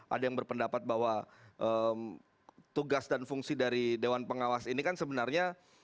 ada yang berpendapat bahwa tugas dan fungsi dari dewan pengawas ini kan sebenarnya